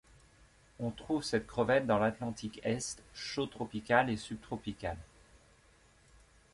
On trouve cette crevette dans l'Atlantique est chaud tropical et subtropical.